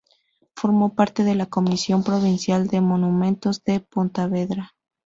Formó parte de la Comisión Provincial de Monumentos de Pontevedra.